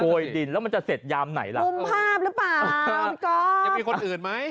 ยดินแล้วมันจะเสร็จยามไหนล่ะมุมภาพหรือเปล่ายังมีคนอื่นไหม